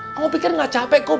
kamu pikir gak capek kom